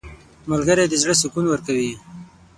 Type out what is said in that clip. • ملګری د زړه سکون ورکوي.